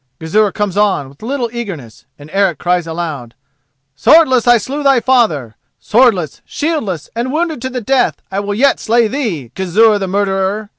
Gizur comes on with little eagerness, and Eric cries aloud: "Swordless I slew thy father!—swordless, shieldless, and wounded to the death I will yet slay thee, Gizur the Murderer!"